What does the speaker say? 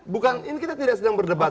bukan ini kita tidak sedang berdebat